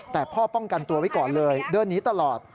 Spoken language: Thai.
แต่พ่อป้องกันตัวไว้ก่อนเลยเดินหนีตลอด